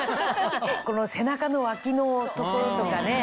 この背中の脇の所とかね。